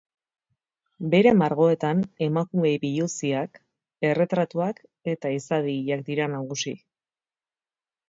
Bere margoetan emakume biluziak, erretratuak eta izadi hilak dira nagusi.